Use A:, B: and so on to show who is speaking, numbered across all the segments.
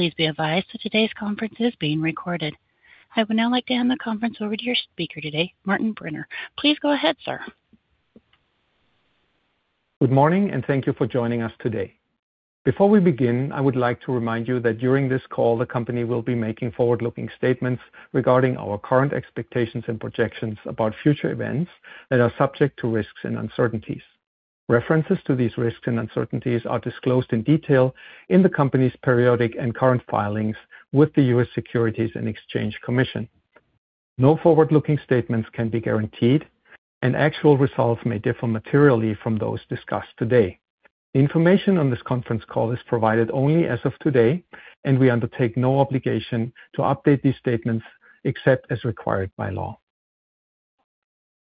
A: Please be advised that today's conference is being recorded. I would now like to hand the conference over to your speaker today, Martin Brenner. Please go ahead, sir.
B: Good morning and thank you for joining us today. Before we begin, I would like to remind you that during this call, the company will be making forward-looking statements regarding our current expectations and projections about future events that are subject to risks and uncertainties. References to these risks and uncertainties are disclosed in detail in the company's periodic and current filings with the U.S. Securities and Exchange Commission. No forward-looking statements can be guaranteed, and actual results may differ materially from those discussed today. The information on this conference call is provided only as of today, and we undertake no obligation to update these statements except as required by law.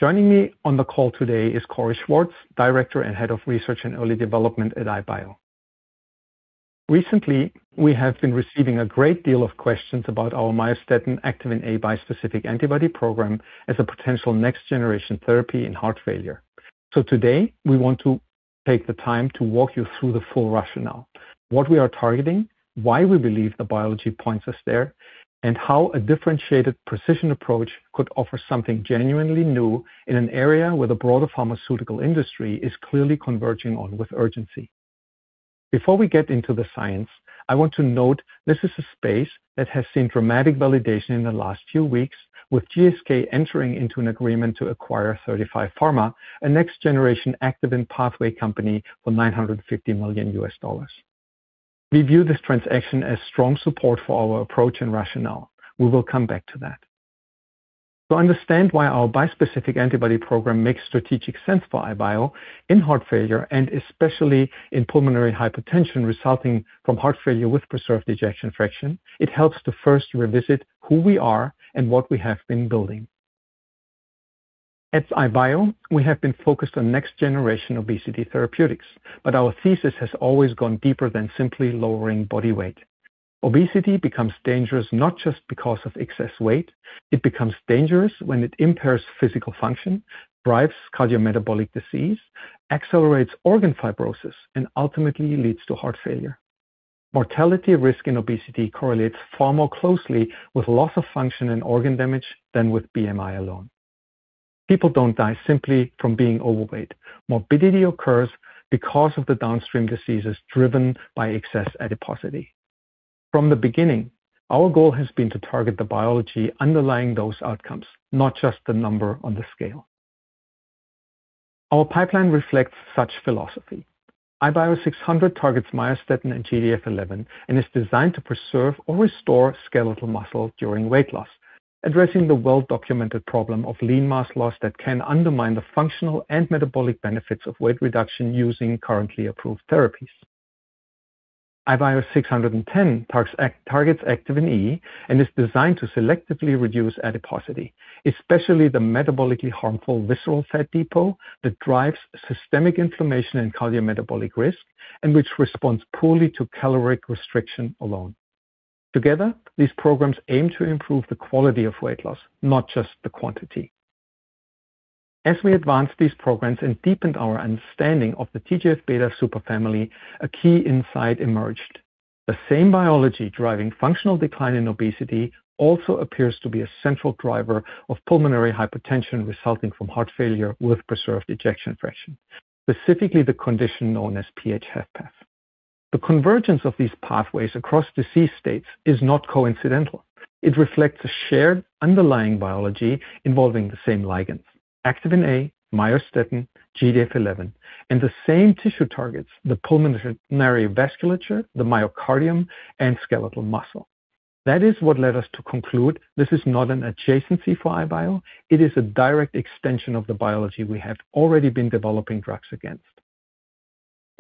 B: Joining me on the call today is Cory Schwartz, Director and Head of Research and Early Development at iBio. Recently, we have been receiving a great deal of questions about our myostatin activin A bispecific antibody program as a potential next-generation therapy in heart failure. Today we want to take the time to walk you through the full rationale, what we are targeting, why we believe the biology points us there, and how a differentiated precision approach could offer something genuinely new in an area where the broader pharmaceutical industry is clearly converging on with urgency. Before we get into the science, I want to note this is a space that has seen dramatic validation in the last few weeks, with GSK entering into an agreement to acquire 35Pharma Inc., a next-generation activin pathway company, for $950 million. We view this transaction as strong support for our approach and rationale. We will come back to that. To understand why our bispecific antibody program makes strategic sense for iBio in heart failure, and especially in pulmonary hypertension resulting from heart failure with preserved ejection fraction, it helps to first revisit who we are and what we have been building. At iBio, we have been focused on next-generation obesity therapeutics, but our thesis has always gone deeper than simply lowering body weight. Obesity becomes dangerous not just because of excess weight. It becomes dangerous when it impairs physical function, drives cardiometabolic disease, accelerates organ fibrosis, and ultimately leads to heart failure. Mortality risk in obesity correlates far more closely with loss of function and organ damage than with BMI alone. People don't die simply from being overweight. Morbidity occurs because of the downstream diseases driven by excess adiposity. From the beginning, our goal has been to target the biology underlying those outcomes, not just the number on the scale. Our pipeline reflects such philosophy. IBIO-600 targets myostatin and GDF11 and is designed to preserve or restore skeletal muscle during weight loss, addressing the well-documented problem of lean mass loss that can undermine the functional and metabolic benefits of weight reduction using currently approved therapies. IBIO-610 targets activin E and is designed to selectively reduce adiposity, especially the metabolically harmful visceral fat depot that drives systemic inflammation and cardiometabolic risk and which responds poorly to caloric restriction alone. Together, these programs aim to improve the quality of weight loss, not just the quantity. As we advanced these programs and deepened our understanding of the TGF-β superfamily, a key insight emerged. The same biology driving functional decline in obesity also appears to be a central driver of pulmonary hypertension resulting from heart failure with preserved ejection fraction, specifically the condition known as PH-HFpEF. The convergence of these pathways across disease states is not coincidental. It reflects a shared underlying biology involving the same ligands, activin A, myostatin, GDF11, and the same tissue targets, the pulmonary vasculature, the myocardium, and skeletal muscle. That is what led us to conclude this is not an adjacency for iBio, it is a direct extension of the biology we have already been developing drugs against.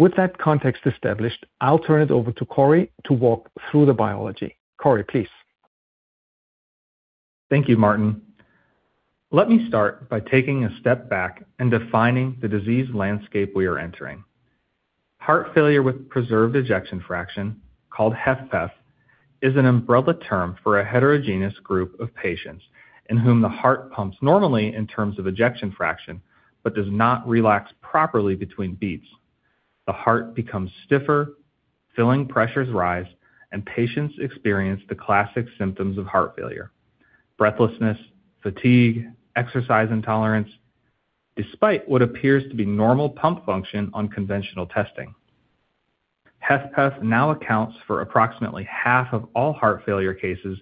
B: With that context established, I'll turn it over to Cory to walk through the biology. Cory, please.
C: Thank you, Martin. Let me start by taking a step back and defining the disease landscape we are entering. Heart failure with preserved ejection fraction, called HFpEF, is an umbrella term for a heterogeneous group of patients in whom the heart pumps normally in terms of ejection fraction but does not relax properly between beats. The heart becomes stiffer, filling pressures rise, and patients experience the classic symptoms of heart failure, breathlessness, fatigue, exercise intolerance, despite what appears to be normal pump function on conventional testing. HFpEF now accounts for approximately half of all heart failure cases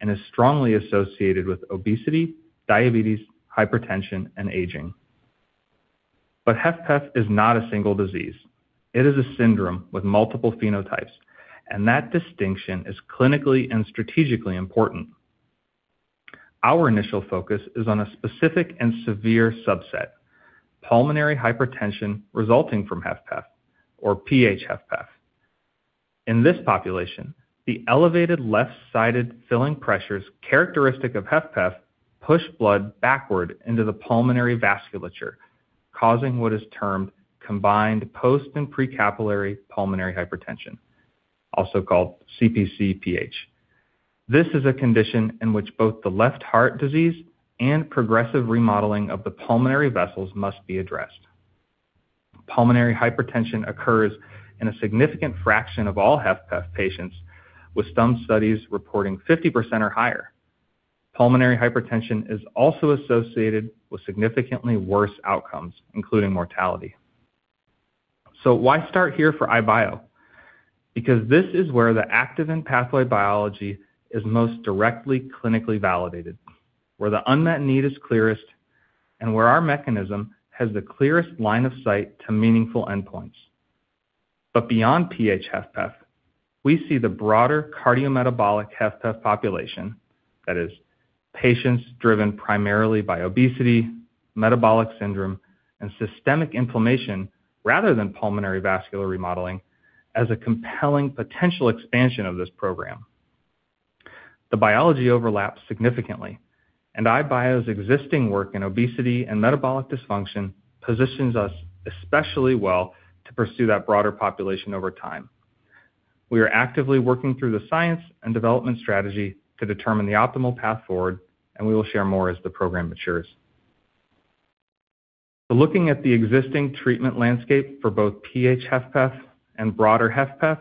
C: and is strongly associated with obesity, diabetes, hypertension, and aging. HFpEF is not a single disease. It is a syndrome with multiple phenotypes, and that distinction is clinically and strategically important. Our initial focus is on a specific and severe subset, pulmonary hypertension resulting from HFpEF, or PH-HFpEF. In this population, the elevated left-sided filling pressures characteristic of HFpEF push blood backward into the pulmonary vasculature, causing what is termed combined post and pre-capillary pulmonary hypertension, also called CPCPH. This is a condition in which both the left heart disease and progressive remodeling of the pulmonary vessels must be addressed. Pulmonary hypertension occurs in a significant fraction of all HFpEF patients, with some studies reporting 50% or higher. Pulmonary hypertension is also associated with significantly worse outcomes, including mortality. Why start here for iBio? Because this is where the activin pathway biology is most directly clinically validated, where the unmet need is clearest, and where our mechanism has the clearest line of sight to meaningful endpoints. beyond PH HFpEF, we see the broader cardiometabolic HFpEF population, that is, patients driven primarily by obesity, metabolic syndrome, and systemic inflammation rather than pulmonary vascular remodeling as a compelling potential expansion of this program. The biology overlaps significantly, and iBio's existing work in obesity and metabolic dysfunction positions us especially well to pursue that broader population over time. We are actively working through the science and development strategy to determine the optimal path forward, and we will share more as the program matures. Looking at the existing treatment landscape for both PH HFpEF and broader HFpEF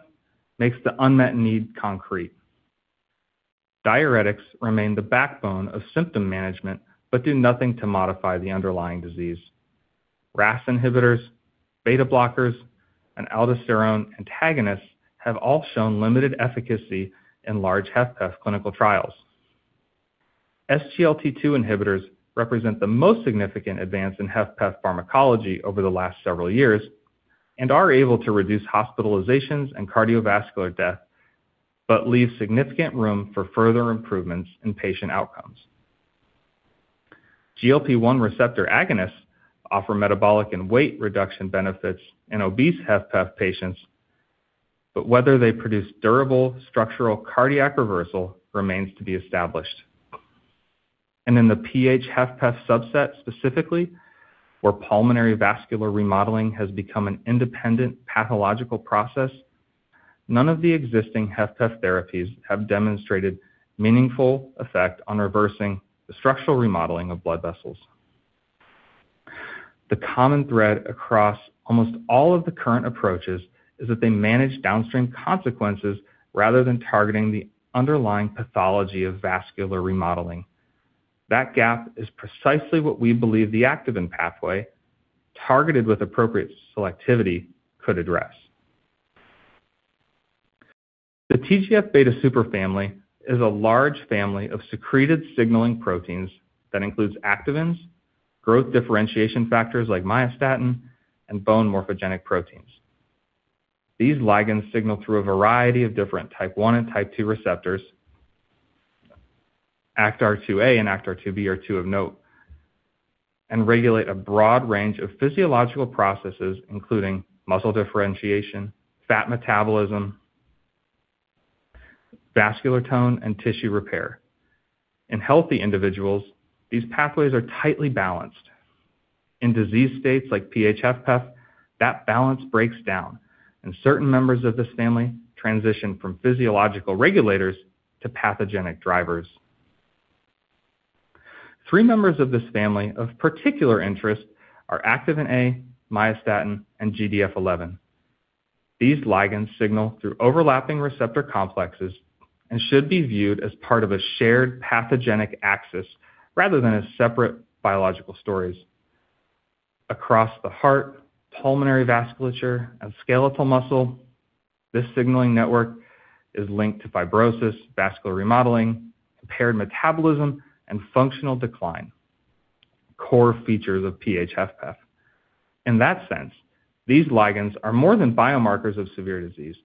C: makes the unmet need concrete. Diuretics remain the backbone of symptom management but do nothing to modify the underlying disease. RAS inhibitors, beta blockers, and aldosterone antagonists have all shown limited efficacy in large HFpEF clinical trials. SGLT2 inhibitors represent the most significant advance in HFpEF pharmacology over the last several years and are able to reduce hospitalizations and cardiovascular death but leave significant room for further improvements in patient outcomes. GLP-1 receptor agonists offer metabolic and weight reduction benefits in obese HFpEF patients, but whether they produce durable structural cardiac reversal remains to be established. In the PH-HFpEF subset specifically, where pulmonary vascular remodeling has become an independent pathological process, none of the existing HFpEF therapies have demonstrated meaningful effect on reversing the structural remodeling of blood vessels. The common thread across almost all of the current approaches is that they manage downstream consequences rather than targeting the underlying pathology of vascular remodeling. That gap is precisely what we believe the activin pathway, targeted with appropriate selectivity, could address. The TGF-β superfamily is a large family of secreted signaling proteins that includes activins, growth differentiation factors like myostatin, and bone morphogenetic proteins. These ligands signal through a variety of different type one and type two receptors. ACTR2A and ACTR2B are two of note and regulate a broad range of physiological processes, including muscle differentiation, fat metabolism, vascular tone, and tissue repair. In healthy individuals, these pathways are tightly balanced. In disease states like PH-HFpEF, that balance breaks down and certain members of this family transition from physiological regulators to pathogenic drivers. Three members of this family of particular interest are activin A, myostatin, and GDF11. These ligands signal through overlapping receptor complexes and should be viewed as part of a shared pathogenic axis rather than as separate biological stories. Across the heart, pulmonary vasculature, and skeletal muscle, this signaling network is linked to fibrosis, vascular remodeling, impaired metabolism, and functional decline. Core features of PH-HFpEF. In that sense, these ligands are more than biomarkers of severe disease.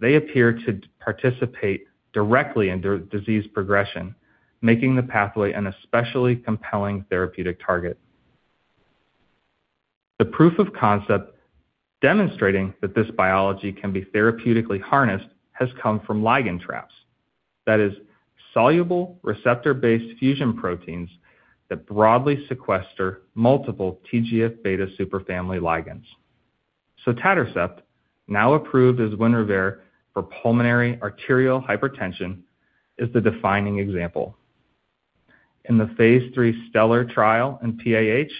C: They appear to participate directly in disease progression, making the pathway an especially compelling therapeutic target. The proof of concept demonstrating that this biology can be therapeutically harnessed has come from ligand traps. That is, soluble receptor-based fusion proteins that broadly sequester multiple TGF-beta superfamily ligands. Sotatercept, now approved as Winrevair for pulmonary arterial hypertension, is the defining example. In the phase III STELLAR trial in PAH,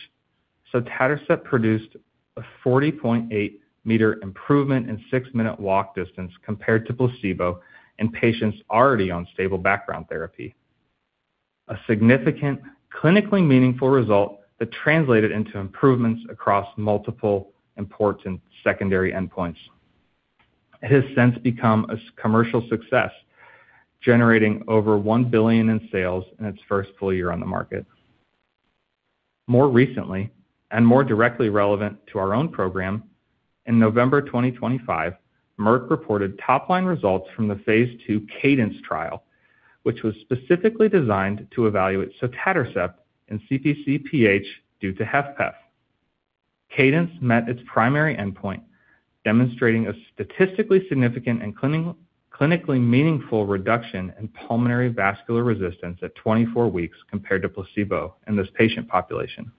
C: Sotatercept produced a 40.8-meter improvement in six-minute walk distance compared to placebo in patients already on stable background therapy. A significant clinically meaningful result that translated into improvements across multiple important secondary endpoints. It has since become a commercial success, generating over $1 billion in sales in its first full year on the market. More recently, and more directly relevant to our own program, in November 2025, Merck reported top-line results from the phase II CADENCE trial, which was specifically designed to evaluate sotatercept in CPCPH due to HFpEF. CADENCE met its primary endpoint, demonstrating a statistically significant and clinically meaningful reduction in pulmonary vascular resistance at 24 weeks compared to placebo in this patient population.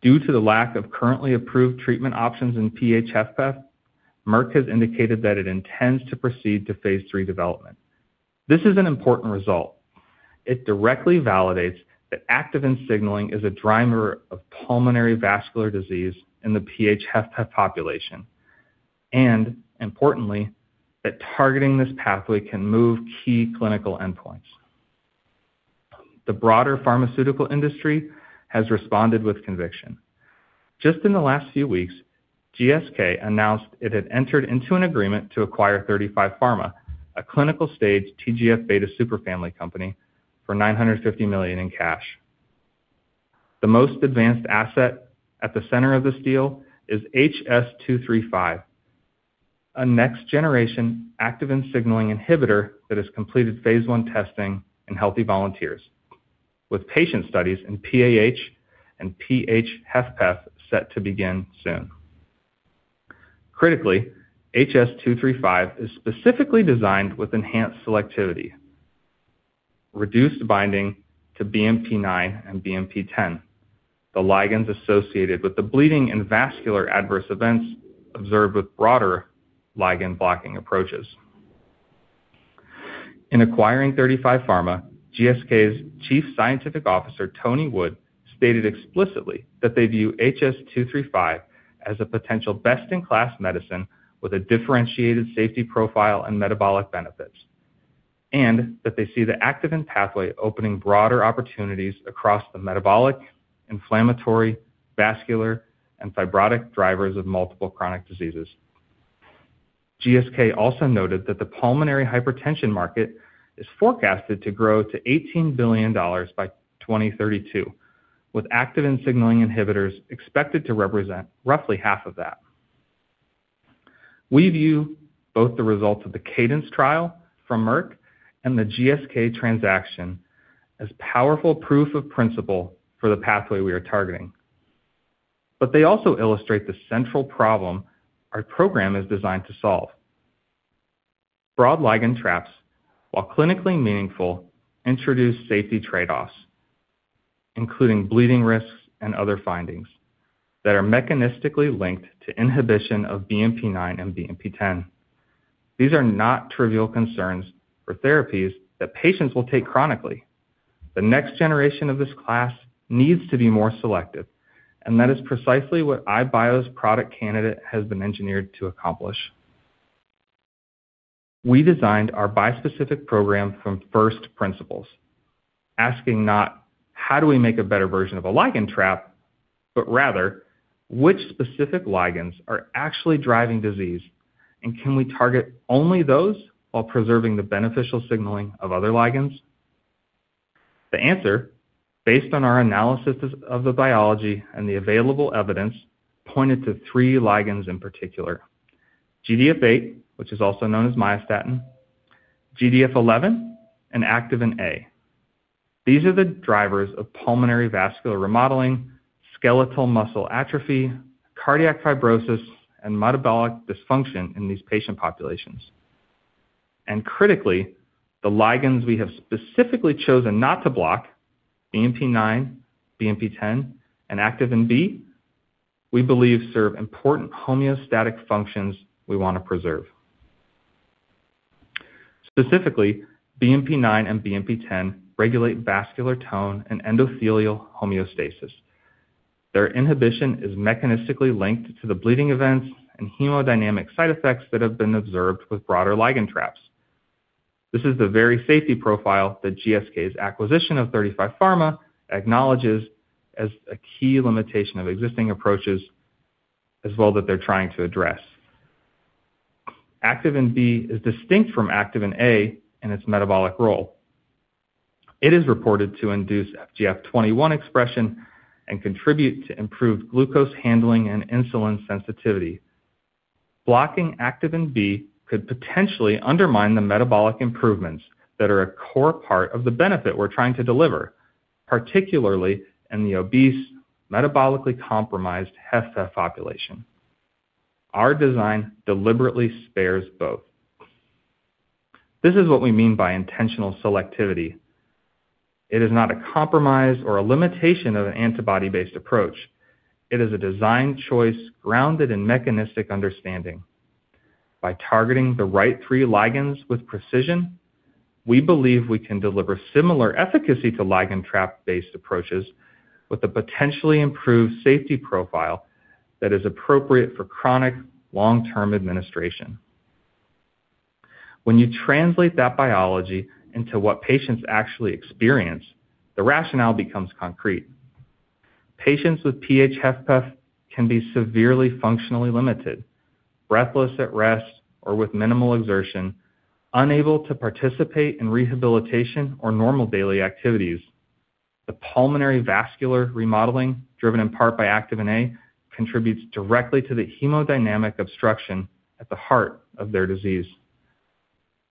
C: Due to the lack of currently approved treatment options in PH-HFpEF, Merck has indicated that it intends to proceed to phase III development. This is an important result. It directly validates that activin signaling is a driver of pulmonary vascular disease in the PH-HFpEF population, and importantly, that targeting this pathway can move key clinical endpoints. The broader pharmaceutical industry has responded with conviction. Just in the last few weeks, GSK announced it had entered into an agreement to acquire 35Pharma Inc., a clinical-stage TGF-β superfamily company, for $950 million in cash. The most advanced asset at the center of this deal is HS235, a next-generation activin signaling inhibitor that has completed phase I testing in healthy volunteers with patient studies in PAH and PH-HFpEF population set to begin soon. Critically, HS235 is specifically designed with enhanced selectivity, reduced binding to BMP9 and BMP10, the ligands associated with the bleeding and vascular adverse events observed with broader ligand-blocking approaches. In acquiring 35Pharma Inc., GSK's Chief Scientific Officer, Tony Wood, stated explicitly that they view HS235 as a potential best-in-class medicine with a differentiated safety profile and metabolic benefits, and that they see the activin pathway opening broader opportunities across the metabolic, inflammatory, vascular, and fibrotic drivers of multiple chronic diseases. GSK also noted that the pulmonary hypertension market is forecasted to grow to $18 billion by 2032, with activin signaling inhibitors expected to represent roughly half of that. We view both the results of the CADENCE trial from Merck and the GSK transaction as powerful proof of principle for the pathway we are targeting. They also illustrate the central problem our program is designed to solve. Broad ligand traps, while clinically meaningful, introduce safety trade-offs, including bleeding risks and other findings that are mechanistically linked to inhibition of BMP9 and BMP10. These are not trivial concerns for therapies that patients will take chronically. The next generation of this class needs to be more selective, and that is precisely what iBio's product candidate has been engineered to accomplish. We designed our bispecific program from first principles, asking not, how do we make a better version of a ligand trap, but rather, which specific ligands are actually driving disease, and can we target only those while preserving the beneficial signaling of other ligands? The answer, based on our analysis of the biology and the available evidence, pointed to three ligands in particular, GDF8, which is also known as myostatin, GDF11, and activin A. These are the drivers of pulmonary vascular remodeling, skeletal muscle atrophy, cardiac fibrosis, and metabolic dysfunction in these patient populations. Critically, the ligands we have specifically chosen not to block, BMP9, BMP10, and activin B, we believe serve important homeostatic functions we want to preserve. Specifically, BMP9 and BMP10 regulate vascular tone and endothelial homeostasis. Their inhibition is mechanistically linked to the bleeding events and hemodynamic side effects that have been observed with broader ligand traps. This is the very safety profile that GSK's acquisition of 35Pharma acknowledges as a key limitation of existing approaches as well that they're trying to address. Activin B is distinct from activin A in its metabolic role. It is reported to induce FGF21 expression and contribute to improved glucose handling and insulin sensitivity. Blocking activin B could potentially undermine the metabolic improvements that are a core part of the benefit we're trying to deliver, particularly in the obese, metabolically compromised PAH population. Our design deliberately spares both. This is what we mean by intentional selectivity. It is not a compromise or a limitation of an antibody-based approach. It is a design choice grounded in mechanistic understanding. By targeting the right three ligands with precision, we believe we can deliver similar efficacy to ligand trap-based approaches with a potentially improved safety profile that is appropriate for chronic long-term administration. When you translate that biology into what patients actually experience, the rationale becomes concrete. Patients with PH-HFpEF can be severely functionally limited, breathless at rest or with minimal exertion, unable to participate in rehabilitation or normal daily activities. The pulmonary vascular remodeling, driven in part by activin A, contributes directly to the hemodynamic obstruction at the heart of their disease.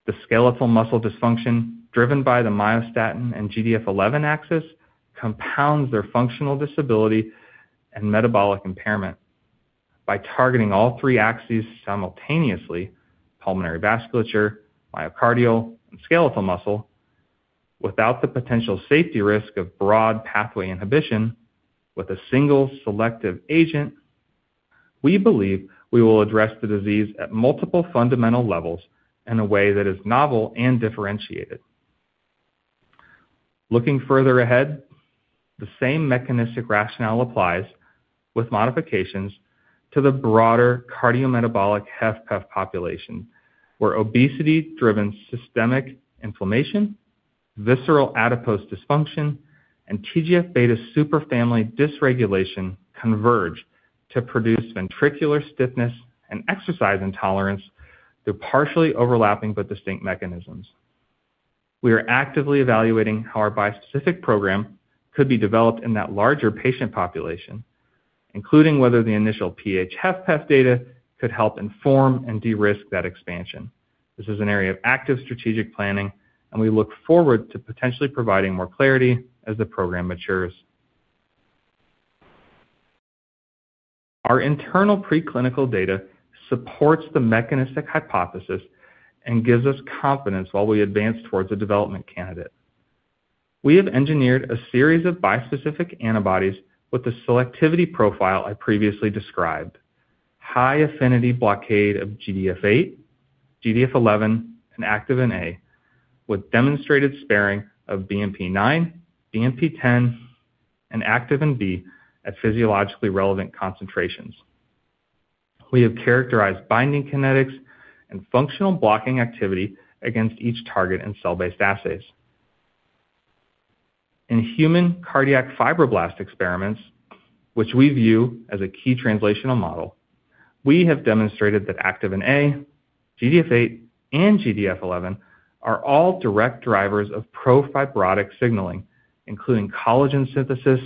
C: The skeletal muscle dysfunction driven by the myostatin and GDF11 axis compounds their functional disability and metabolic impairment. By targeting all three axes simultaneously, pulmonary vasculature, myocardial, and skeletal muscle, without the potential safety risk of broad pathway inhibition with a single selective agent. We believe we will address the disease at multiple fundamental levels in a way that is novel and differentiated. Looking further ahead, the same mechanistic rationale applies with modifications to the broader cardiometabolic HFpEF population, where obesity-driven systemic inflammation, visceral adipose dysfunction, and TGF-β superfamily dysregulation converge to produce ventricular stiffness and exercise intolerance through partially overlapping but distinct mechanisms. We are actively evaluating how our bispecific program could be developed in that larger patient population, including whether the initial PH-HFpEF data could help inform and de-risk that expansion. This is an area of active strategic planning, and we look forward to potentially providing more clarity as the program matures. Our internal preclinical data supports the mechanistic hypothesis and gives us confidence while we advance towards a development candidate. We have engineered a series of bispecific antibodies with the selectivity profile I previously described. High-affinity blockade of GDF8, GDF11, and activin A with demonstrated sparing of BMP9, BMP10, and activin B at physiologically relevant concentrations. We have characterized binding kinetics and functional blocking activity against each target in cell-based assays. In human cardiac fibroblast experiments, which we view as a key translational model, we have demonstrated that activin A, GDF8, and GDF11 are all direct drivers of pro-fibrotic signaling, including collagen synthesis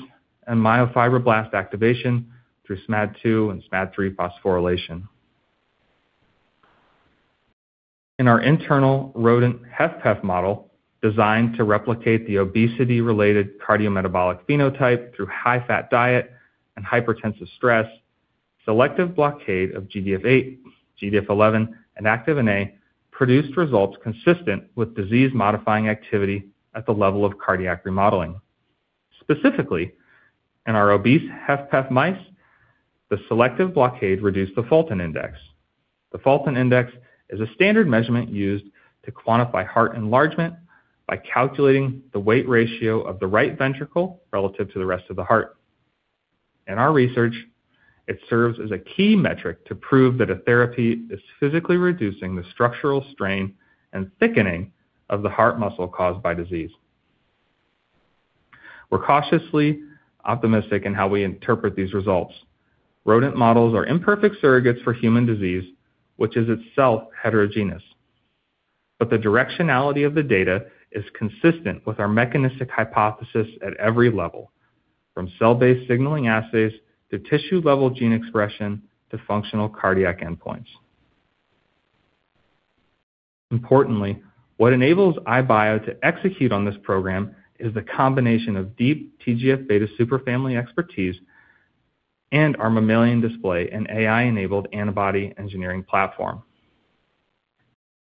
C: and myofibroblast activation through SMAD2 and SMAD3 phosphorylation. In our internal rodent HFpEF model, designed to replicate the obesity-related cardiometabolic phenotype through high-fat diet and hypertensive stress, selective blockade of GDF8, GDF11 and activin A produced results consistent with disease-modifying activity at the level of cardiac remodeling. Specifically, in our obese HFpEF mice, the selective blockade reduced the Fulton index. The Fulton index is a standard measurement used to quantify heart enlargement by calculating the weight ratio of the right ventricle relative to the rest of the heart. In our research, it serves as a key metric to prove that a therapy is physically reducing the structural strain and thickening of the heart muscle caused by disease. We're cautiously optimistic in how we interpret these results. Rodent models are imperfect surrogates for human disease, which is itself heterogeneous. The directionality of the data is consistent with our mechanistic hypothesis at every level, from cell-based signaling assays to tissue-level gene expression to functional cardiac endpoints. Importantly, what enables iBio to execute on this program is the combination of deep TGF-beta superfamily expertise and our mammalian display and AI-enabled antibody engineering platform.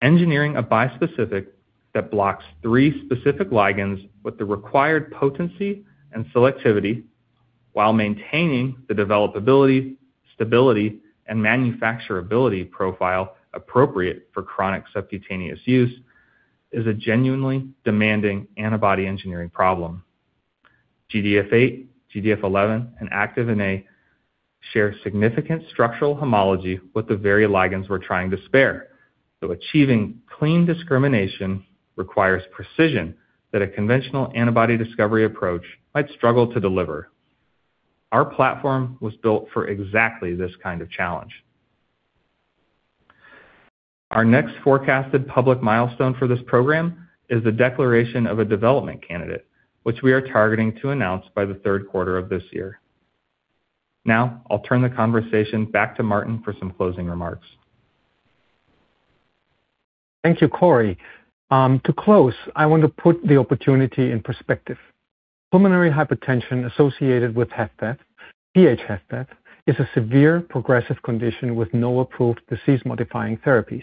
C: Engineering a bispecific that blocks three specific ligands with the required potency and selectivity while maintaining the developability, stability, and manufacturability profile appropriate for chronic subcutaneous use is a genuinely demanding antibody engineering problem. GDF8, GDF11, and activin A share significant structural homology with the very ligands we're trying to spare, so achieving clean discrimination requires precision that a conventional antibody discovery approach might struggle to deliver. Our platform was built for exactly this kind of challenge. Our next forecasted public milestone for this program is the declaration of a development candidate, which we are targeting to announce by the third quarter of this year. Now, I'll turn the conversation back to Martin for some closing remarks.
B: Thank you, Cory. To close, I want to put the opportunity in perspective. Pulmonary hypertension associated with HFpEF, PH HFpEF, is a severe progressive condition with no approved disease-modifying therapies.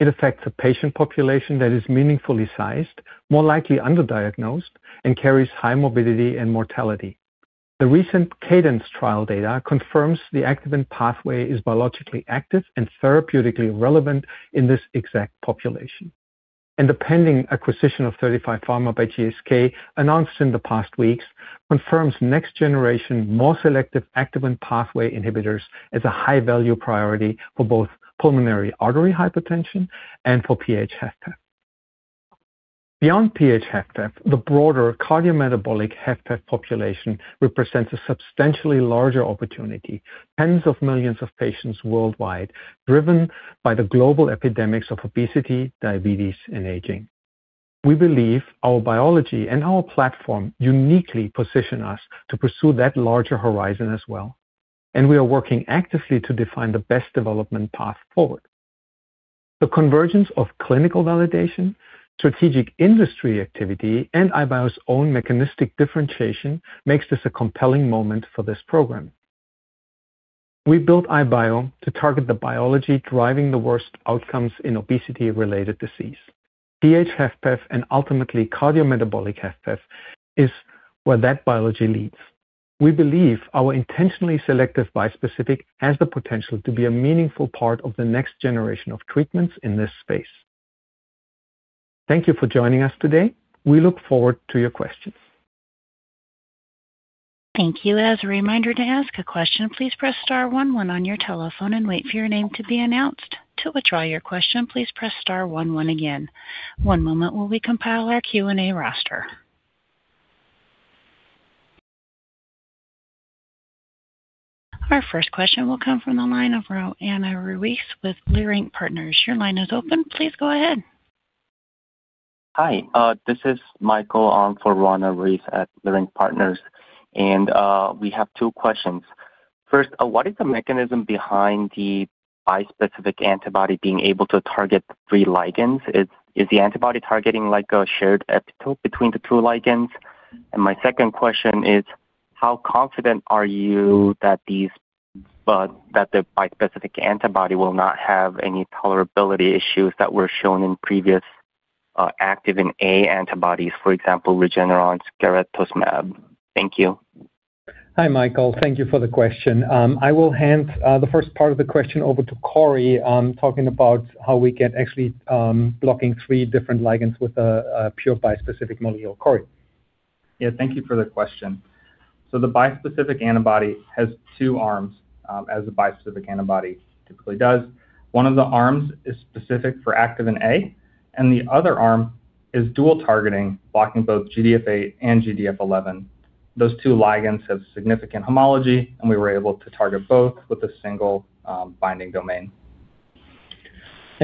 B: It affects a patient population that is meaningfully sized, more likely underdiagnosed, and carries high morbidity and mortality. The recent CADENCE trial data confirms the activin pathway is biologically active and therapeutically relevant in this exact population. The pending acquisition of 35Pharma by GSK, announced in the past weeks, confirms next-generation, more selective activin pathway inhibitors as a high-value priority for both pulmonary arterial hypertension and for PH HFpEF. Beyond PH HFpEF, the broader cardiometabolic HFpEF population represents a substantially larger opportunity, tens of millions of patients worldwide, driven by the global epidemics of obesity, diabetes, and aging. We believe our biology and our platform uniquely position us to pursue that larger horizon as well, and we are working actively to define the best development path forward. The convergence of clinical validation, strategic industry activity, and iBio's own mechanistic differentiation makes this a compelling moment for this program. We built iBio to target the biology driving the worst outcomes in obesity-related disease. PH-HFpEF and ultimately cardiometabolic HFpEF is where that biology leads. We believe our intentionally selective bispecific has the potential to be a meaningful part of the next generation of treatments in this space. Thank you for joining us today. We look forward to your questions.
A: Thank you. As a reminder to ask a question, please press star one one on your telephone and wait for your name to be announced. To withdraw your question, please press star one one again. One moment while we compile our Q&A roster. Our first question will come from the line of Roanna Ruiz with Leerink Partners. Your line is open. Please go ahead.
D: Hi, this is Michael on for Roanna Ruiz at Leerink Partners, and we have two questions. First, what is the mechanism behind the bispecific antibody being able to target three ligands? Is the antibody targeting, like, a shared epitope between the two ligands? And my second question is, how confident are you that the bispecific antibody will not have any tolerability issues that were shown in previous activin A antibodies, for example, Regeneron's garetosmab? Thank you.
B: Hi, Michael. Thank you for the question. I will hand the first part of the question over to Cory on talking about how we can actually blocking three different ligands with a pure bispecific molecule. Cory.
C: Yeah, thank you for the question. The bispecific antibody has two arms, as a bispecific antibody typically does. One of the arms is specific for activin A, and the other arm is dual targeting, blocking both GDF8 and GDF11. Those two ligands have significant homology, and we were able to target both with a single binding domain.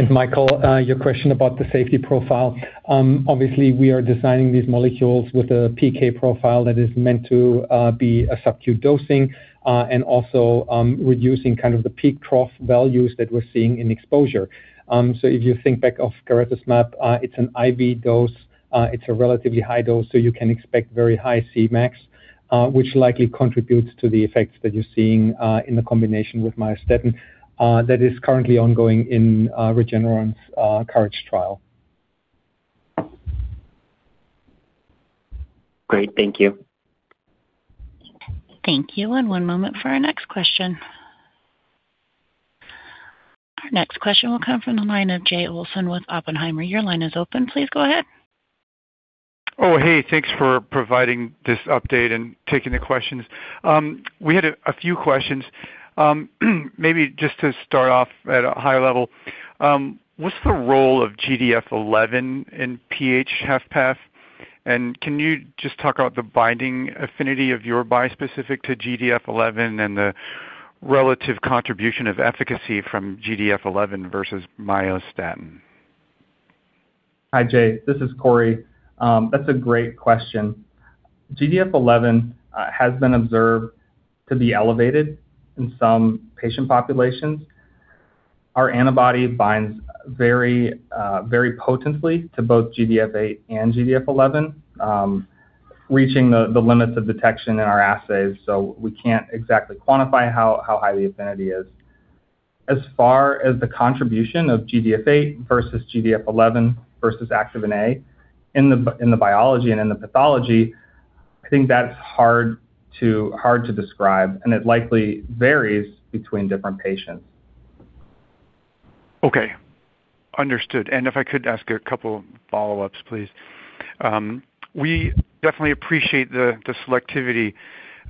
B: Michael, your question about the safety profile. Obviously, we are designing these molecules with a PK profile that is meant to be a sub-Q dosing and also reducing kind of the peak trough values that we're seeing in exposure. So, if you think back to garetosmab, it's an IV dose, it's a relatively high dose, so you can expect very high Cmax, which likely contributes to the effects that you're seeing in the combination with myostatin that is currently ongoing in Regeneron's COURAGE trial.
D: Great. Thank you.
A: Thank you. One moment for our next question. Our next question will come from the line of Jay Olson with Oppenheimer. Your line is open. Please go ahead.
E: Oh, hey. Thanks for providing this update and taking the questions. We had a few questions. Maybe just to start off at a high level. What's the role of GDF11 in PH-HFpEF? And can you just talk about the binding affinity of your bispecific to GDF11 and the relative contribution of efficacy from GDF11 versus myostatin?
C: Hi, Jay. This is Cory. That's a great question. GDF11 has been observed to be elevated in some patient populations. Our antibody binds very potently to both GDF8 and GDF11, reaching the limits of detection in our assays, so we can't exactly quantify how high the affinity is. As far as the contribution of GDF8 versus GDF11 versus activin A in the biology and in the pathology, I think that's hard to describe, and it likely varies between different patients.
E: Okay. Understood. If I could ask a couple follow-ups, please. We definitely appreciate the selectivity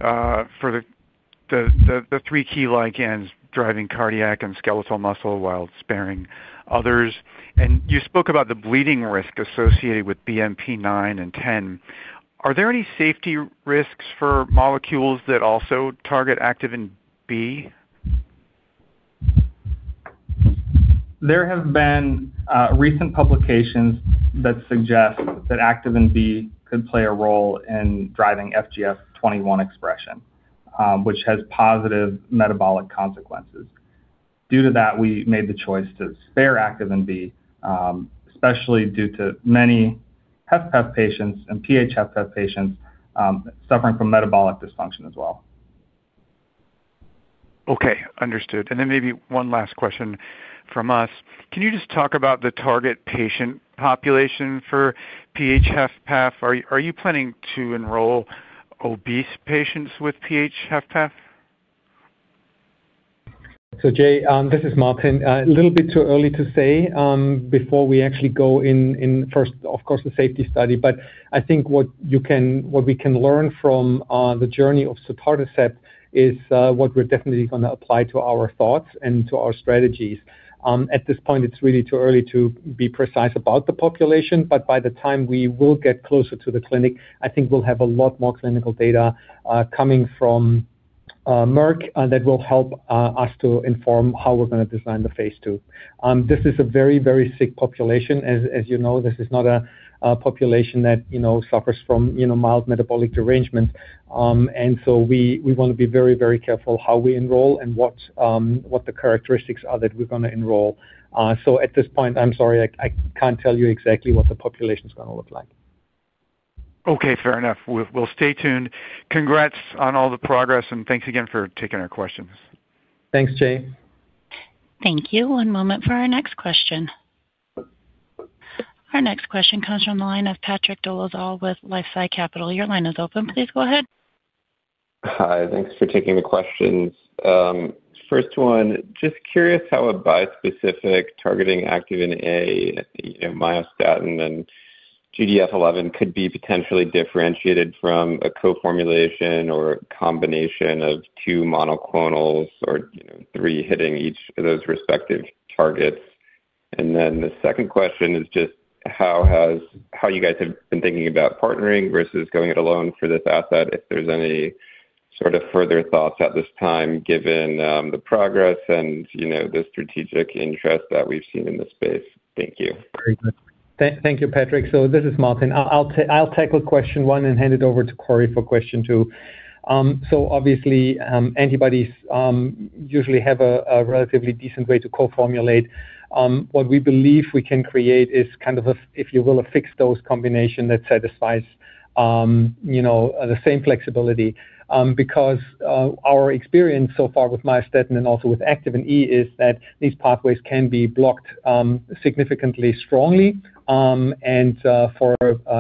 E: for the three key ligands driving cardiac and skeletal muscle while sparing others. You spoke about the bleeding risk associated with BMP9 and BMP10. Are there any safety risks for molecules that also target activin B?
C: There have been recent publications that suggest that Activin B could play a role in driving FGF 21 expression, which has positive metabolic consequences. Due to that, we made the choice to spare Activin B, especially due to many HFpEF patients and PH-HFpEF patients suffering from metabolic dysfunction as well.
E: Okay. Understood. Maybe one last question from us. Can you just talk about the target patient population for PH-HFpEF? Are you planning to enroll obese patients with PH-HFpEF?
B: Jay, this is Martin. A little bit too early to say before we actually go in first, of course, the safety study. I think what we can learn from the journey of sotatercept is what we're definitely gonna apply to our thoughts and to our strategies. At this point, it's really too early to be precise about the population, but by the time we will get closer to the clinic, I think we'll have a lot more clinical data coming from Merck that will help us to inform how we're gonna design the phase II. This is a very, very sick population. As you know, this is not a population that you know suffers from mild metabolic derangements. We wanna be very, very careful how we enroll and what the characteristics are that we're gonna enroll. At this point, I'm sorry, I can't tell you exactly what the population's gonna look like.
E: Okay, fair enough. We'll stay tuned. Congrats on all the progress, and thanks again for taking our questions.
B: Thanks, Jay.
A: Thank you. One moment for our next question. Our next question comes from the line of Patrick Dolezal with LifeSci Capital. Your line is open. Please go ahead.
F: Hi. Thanks for taking the questions. First one, just curious how a bispecific targeting activin A, you know, myostatin and GDF11 could be potentially differentiated from a co-formulation or a combination of two monoclonals or, you know, three hitting each of those respective targets. The second question is just how you guys have been thinking about partnering versus going it alone for this asset, if there's any sort of further thoughts at this time, given the progress and, you know, the strategic interest that we've seen in this space. Thank you.
B: Very good. Thank you, Patrick. This is Martin. I'll tackle question one and hand it over to Cory for question two. Obviously, antibodies usually have a relatively decent way to co-formulate. What we believe we can create is kind of a, if you will, a fixed-dose combination that satisfies, you know, the same flexibility, because our experience so far with myostatin and also with activin E is that these pathways can be blocked significantly strongly, and for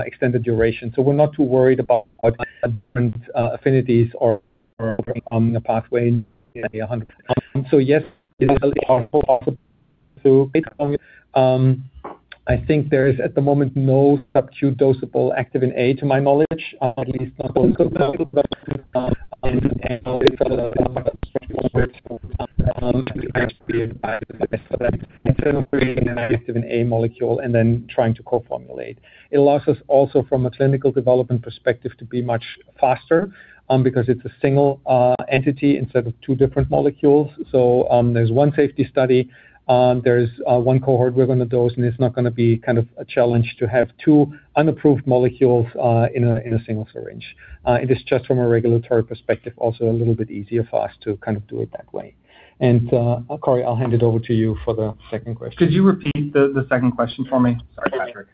B: extended duration. We're not too worried about affinities or the pathway in 100%. Yes, it is possible to
C: Could you repeat the second question for me? Sorry, Patrick.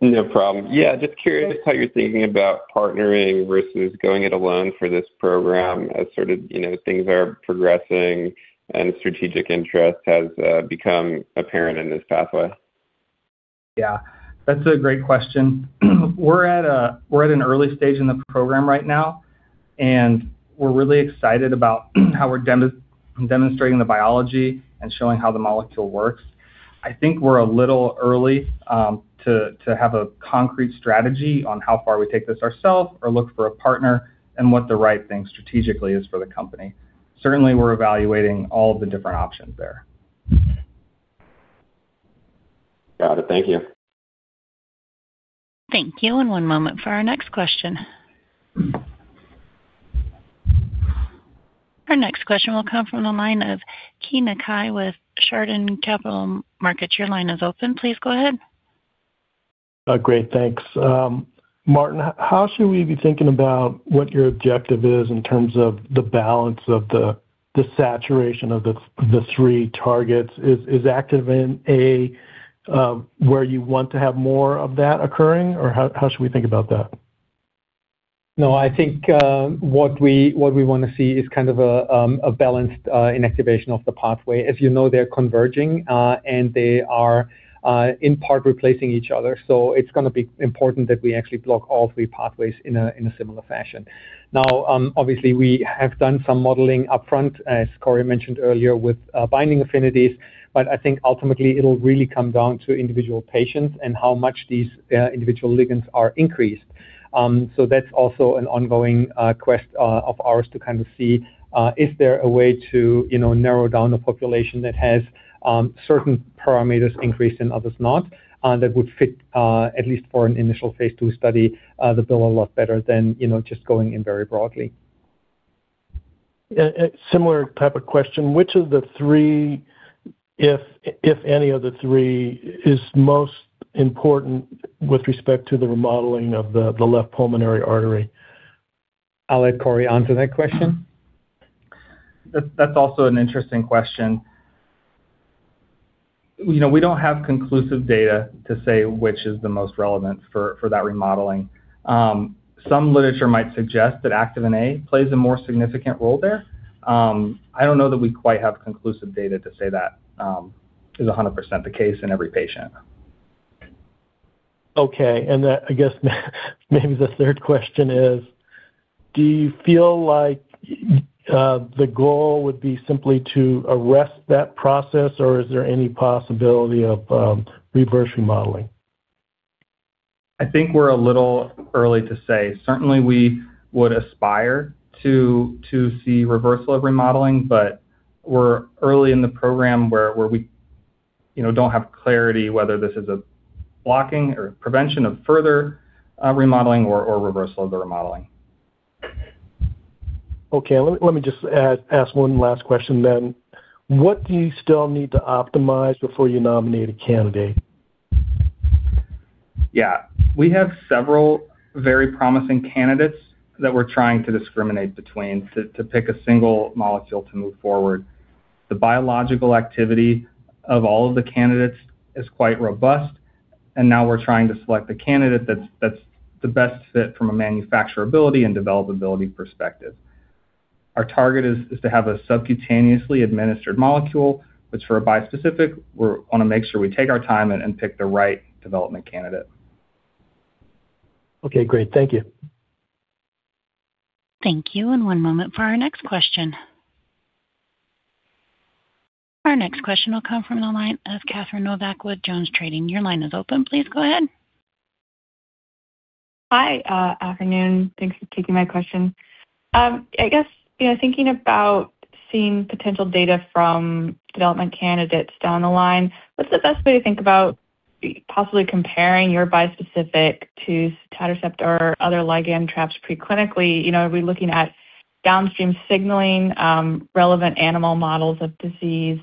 F: No problem. Yeah, just curious how you're thinking about partnering versus going it alone for this program as sort of, you know, things are progressing and strategic interest has become apparent in this pathway.
B: Yeah. That's a great question. We're at an early stage in the program right now, and we're really excited about how we're demonstrating the biology and showing how the molecule works. I think we're a little early to have a concrete strategy on how far we take this ourselves or look for a partner and what the right thing strategically is for the company. Certainly, we're evaluating all the different options there.
F: Got it. Thank you.
A: Thank you. One moment for our next question. Our next question will come from the line of Keay Nakae with Chardan Capital Markets. Your line is open. Please go ahead.
G: Great. Thanks. Martin, how should we be thinking about what your objective is in terms of the balance of the saturation of the three targets? Is activin A where you want to have more of that occurring, or how should we think about that?
B: No, I think what we wanna see is kind of a balanced inactivation of the pathway. As you know, they're converging and they are in part replacing each other. It's gonna be important that we actually block all three pathways in a similar fashion. Now, obviously, we have done some modeling upfront, as Cory mentioned earlier, with binding affinities, but I think ultimately, it'll really come down to individual patients and how much these individual ligands are increased. That's also an ongoing quest of ours to kind of see, is there a way to, you know, narrow down the population that has certain parameters increased and others not that would fit at least for an initial phase II study the bill a lot better than, you know, just going in very broadly.
G: Yeah. A similar type of question, which of the three, if any of the three, is most important with respect to the remodeling of the left pulmonary artery?
B: I'll let Cory answer that question.
C: That's also an interesting question. You know, we don't have conclusive data to say which is the most relevant for that remodeling. Some literature might suggest that activin A plays a more significant role there. I don't know that we quite have conclusive data to say that is 100% the case in every patient.
G: Okay. I guess maybe the third question is, do you feel like the goal would be simply to arrest that process, or is there any possibility of reverse remodeling?
C: I think we're a little early to say. Certainly, we would aspire to see reversal of remodeling, but we're early in the program where we, you know, don't have clarity whether this is a blocking or prevention of further remodeling or reversal of the remodeling.
G: Okay. Let me just ask one last question then. What do you still need to optimize before you nominate a candidate?
C: Yeah. We have several very promising candidates that we're trying to discriminate between to pick a single molecule to move forward. The biological activity of all of the candidates is quite robust, and now we're trying to select a candidate that's the best fit from a manufacturability and developability perspective. Our target is to have a subcutaneously administered molecule, which for a bispecific, we wanna make sure we take our time and pick the right development candidate.
G: Okay, great. Thank you.
A: Thank you. One moment for our next question. Our next question will come from the line of Catherine Novack with JonesTrading. Your line is open. Please go ahead.
H: Hi, afternoon. Thanks for taking my question. I guess, you know, thinking about seeing potential data from development candidates down the line, what's the best way to think about possibly comparing your bispecific to sotatercept or other ligand traps pre-clinically? You know, are we looking at downstream signaling, relevant animal models of disease?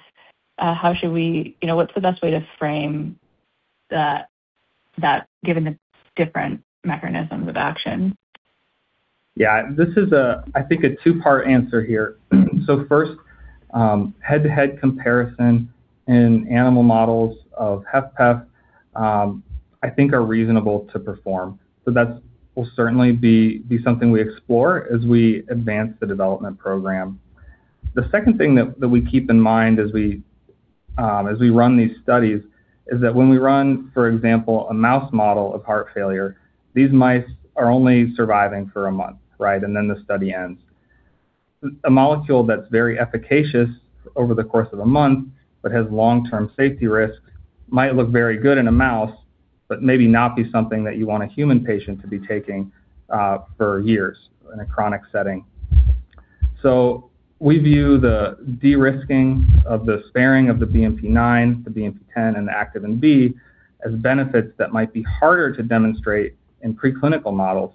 H: You know, what's the best way to frame that given the different mechanisms of action?
C: Yeah. This is a, I think, a two-part answer here. First, head-to-head comparison in animal models of HFpEF, I think are reasonable to perform. That will certainly be something we explore as we advance the development program. The second thing that we keep in mind as we run these studies is that when we run, for example, a mouse model of heart failure, these mice are only surviving for a month, right? Then the study ends. A molecule that's very efficacious over the course of a month but has long-term safety risks might look very good in a mouse, but maybe not be something that you want a human patient to be taking for years in a chronic setting. We view the de-risking of the sparing of the BMP9, the BMP10, and the Activin B as benefits that might be harder to demonstrate in preclinical models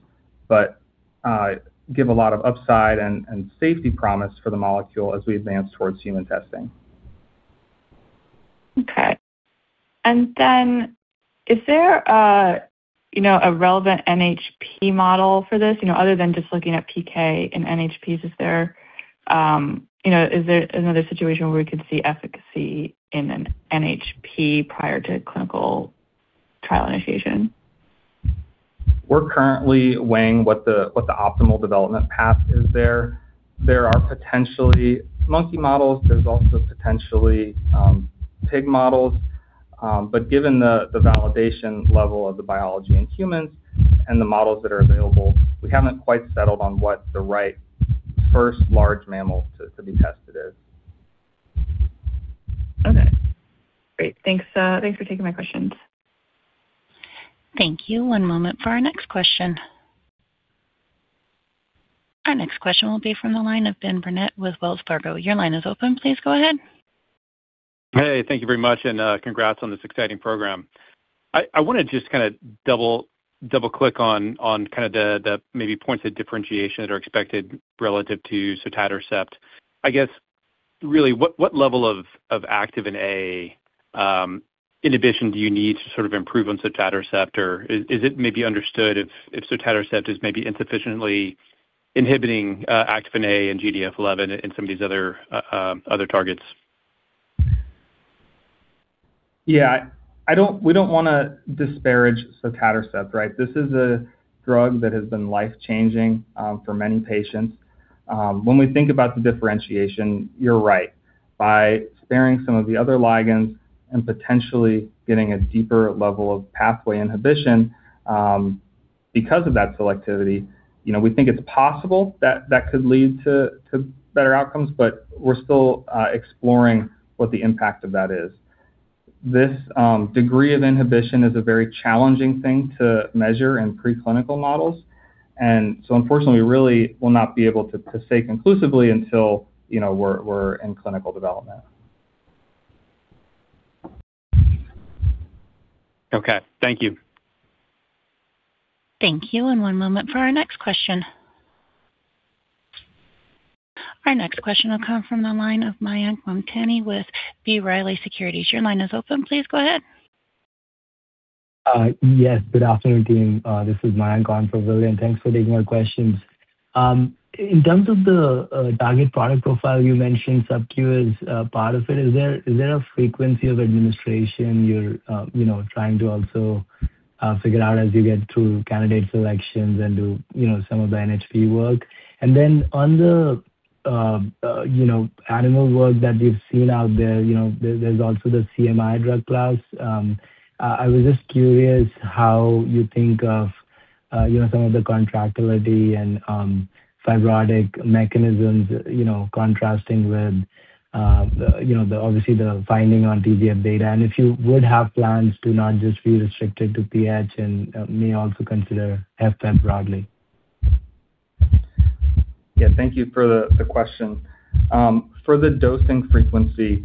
C: but give a lot of upside and safety promise for the molecule as we advance towards human testing.
H: Okay. Is there a, you know, a relevant NHP model for this? You know, other than just looking at PK in NHPs, is there, you know, is there another situation where we could see efficacy in an NHP prior to clinical trial initiation?
C: We're currently weighing what the optimal development path is there. There are potentially monkey models. There's also potentially pig models. Given the validation level of the biology in humans and the models that are available, we haven't quite settled on what the right first large mammal to be tested is.
H: Okay. Great. Thanks for taking my questions.
A: Thank you. One moment for our next question. Our next question will be from the line of Ben Burnett with Wells Fargo. Your line is open. Please go ahead.
I: Hey, thank you very much, and congrats on this exciting program. I wanna just kinda double-click on kind of the maybe points of differentiation that are expected relative to Sotatercept. I guess, really, what level of activin A inhibition do you need to sort of improve on Sotatercept? Is it may be understood if Sotatercept is maybe insufficiently inhibiting activin A and GDF11 and some of these other targets?
C: Yeah. We don't wanna disparage sotatercept, right? This is a drug that has been life-changing for many patients. When we think about the differentiation, you're right. By sparing some of the other ligands and potentially getting a deeper level of pathway inhibition because of that selectivity, you know, we think it's possible that that could lead to better outcomes, but we're still exploring what the impact of that is. This degree of inhibition is a very challenging thing to measure in preclinical models. Unfortunately, we really will not be able to say conclusively until, you know, we're in clinical development.
I: Okay. Thank you.
A: Thank you. One moment for our next question. Our next question will come from the line of Mayank Motwani with B. Riley Securities. Your line is open. Please go ahead.
J: Yes. Good afternoon, team. This is Mayank Motwani. Thanks for taking our questions. In terms of the target product profile, you mentioned subQ is a part of it. Is there a frequency of administration you're you know trying to also figure out as you get through candidate selections and do you know some of the NHP work? Then on the animal work that we've seen out there, you know, there's also the CMI drug class. I was just curious how you think of some of the contractility and fibrotic mechanisms, you know, contrasting with the obvious finding on GDF data. If you would have plans to not just be restricted to PH and may also consider HFpEF broadly.
C: Yeah. Thank you for the question. For the dosing frequency,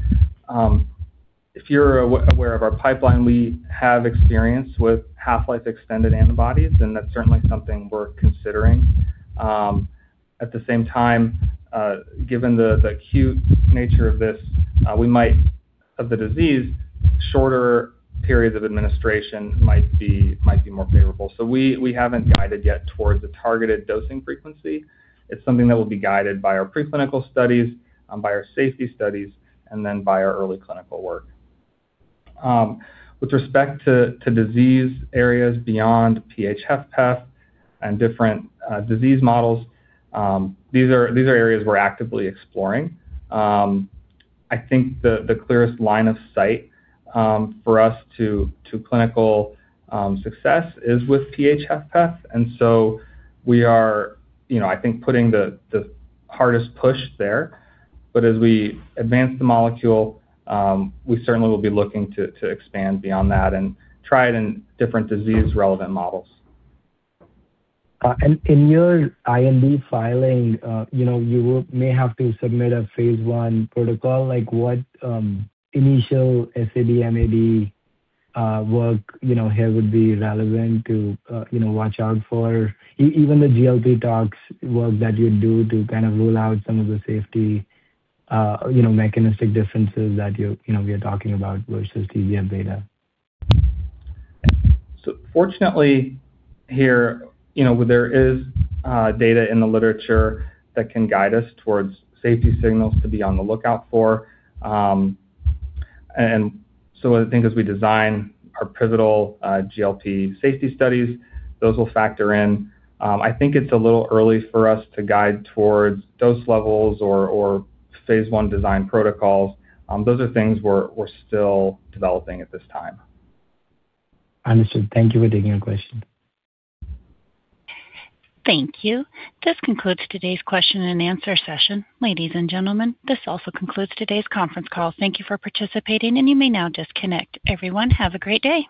C: if you're aware of our pipeline, we have experience with half-life extended antibodies, and that's certainly something we're considering. At the same time, given the acute nature of this, shorter periods of administration might be more favorable. We haven't guided yet towards a targeted dosing frequency. It's something that will be guided by our preclinical studies, by our safety studies, and then by our early clinical work. With respect to disease areas beyond PH-HFpEF and different disease models, these are areas we're actively exploring. I think the clearest line of sight for us to clinical success is with PH-HFpEF. We are, you know, I think, putting the hardest push there. But as we advance the molecule, we certainly will be looking to expand beyond that and try it in different disease-relevant models.
J: In your IND filing, you know, you will may have to submit a phase I protocol, like what initial SAD/MAD work, you know, here would be relevant to, you know, watch out for even the GLP toxicology work that you do to kind of rule out some of the safety, you know, mechanistic differences that you know, we are talking about versus TGF data.
C: Fortunately, here, you know, there is data in the literature that can guide us towards safety signals to be on the lookout for. I think as we design our pivotal GLP safety studies, those will factor in. I think it's a little early for us to guide towards dose levels or phase I design protocols. Those are things we're still developing at this time.
J: Understood. Thank you for taking the question.
A: Thank you. This concludes today's question and answer session. Ladies and gentlemen, this also concludes today's conference call. Thank you for participating, and you may now disconnect. Everyone, have a great day.